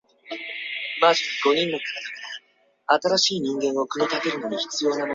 但校园内师生之间仍有较多的潮州话交流。